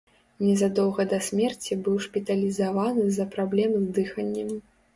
Незадоўга да смерці быў шпіталізаваны з-за праблем з дыханнем.